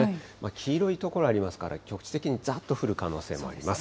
黄色い所ありますから、局地的にざっと降る可能性もあります。